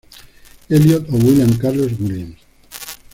Eliot o William Carlos Williams.